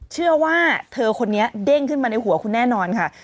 เชื่อว่าเธอคนนี้เด้งขึ้นมาในหัวคุณแน่นอนค่ะ